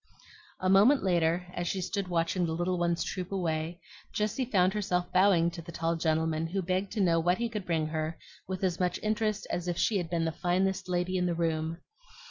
A moment later, as she stood watching the little ones troop away, Jessie found herself bowing to the tall gentleman, who begged to know what he could bring her with as much interest as if she had been the finest lady in the room.